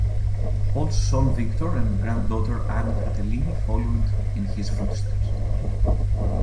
Paul's son Victor and granddaughter Annie Fratellini followed in his footsteps.